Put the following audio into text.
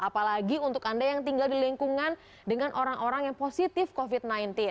apalagi untuk anda yang tinggal di lingkungan dengan orang orang yang positif covid sembilan belas